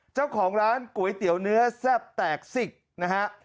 เจ้าของร้านก๋วยเตี๋ยวเนื้อแซ่บแตกสิกนะฮะ